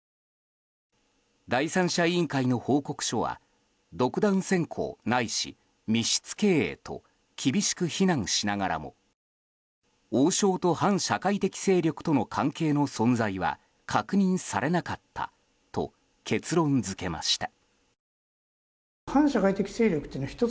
第三者委員会の報告書は独断専行ないし密室経営と厳しく非難しながらも王将と反社会的勢力との関係の存在は確認されなかったと結論付けました。